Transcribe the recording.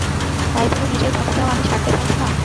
তাই বলে নিজের পথটাও আমি ছাড়তে পারব না।